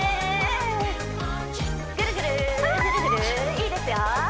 いいですよ